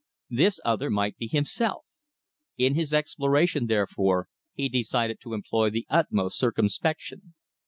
This other might be himself. In his exploration, therefore, he decided to employ the utmost circumspection.